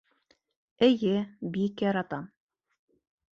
Эйе, бик яратам